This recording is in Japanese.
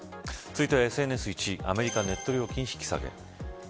続いてはＳＮＳ１位アメリカネット料金引き下げ。